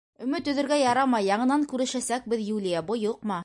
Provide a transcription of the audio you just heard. Өмөт өҙөргә ярамай, яңынан күрешәсәкбеҙ, Юлия, бойоҡма.